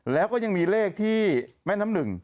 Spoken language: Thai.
แล้วก็ยังมีเลขที่แม่น้ำหนึ่ง